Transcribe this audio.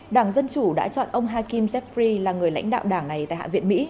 đảng dân chủ đã chọn ông hakim zeffri là người lãnh đạo đảng này tại hạ viện mỹ